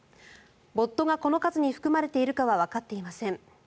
ボットがこの数に含まれているかはわかっていません。